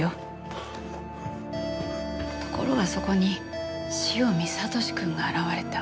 ところがそこに汐見悟志君が現れた。